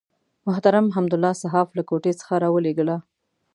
محترم حمدالله صحاف له کوټې څخه راولېږله.